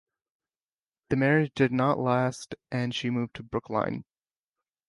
The marriage did not last and she moved to Brookline.